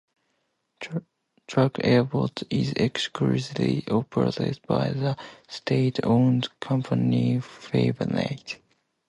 Turku Airport is exclusively operated by the state-owned company Finavia.